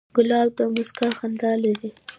ګلاب د موسکا خندا لري.